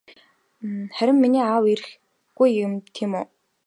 Харин миний аав ирэхгүй тийм үү?